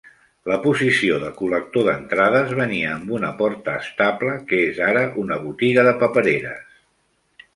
La posició de col·lector d"entrades venia amb una porta estable, que és ara una botiga de papereres.